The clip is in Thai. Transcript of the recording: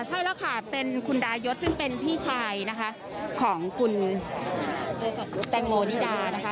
ใช่แล้วค่ะเป็นคุณดายศซึ่งเป็นพี่ชายนะคะของคุณแตงโมนิดานะคะ